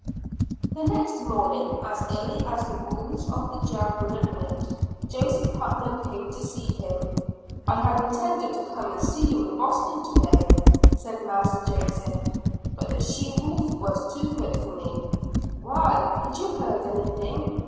The next morning, as early as the rules of the jail would admit, Joseph Putnam came to see him. "I had intended to come and see you in Boston to day," said Master Joseph, "but the she wolf was too quick for me." "Why, had you heard anything?"